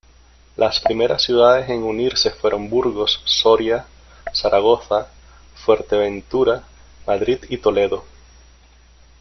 Las primeras ciudades en unirse fueron Burgos, Soria, Zaragoza, Fuerteventura, Madrid y Toledo.